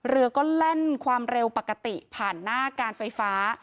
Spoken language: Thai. เรือก็แล่นความเร็วปกติผ่านหน้าการไฟฟ้า